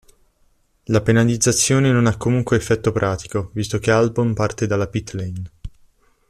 La penalizzazione non ha comunque effetto pratico, visto che Albon parte dalla "pit lane".